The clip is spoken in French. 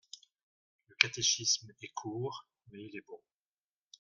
Le catéchisme est court ; mais il est bon.